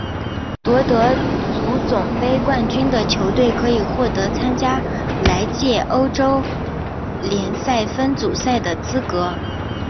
夺得足总杯冠军的球队可以获得参加来届欧洲联赛分组赛的资格。